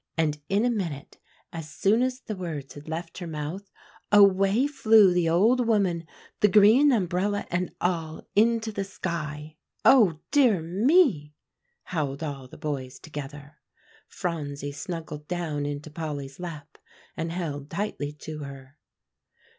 And in a minute, as soon as the words had left her mouth, away flew the old woman, the green umbrella and all, into the sky." "Oh, dear me!" howled all the boys together. Phronsie snuggled down into Polly's lap, and held tightly to her.